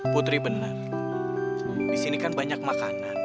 putri benar disini kan banyak makanan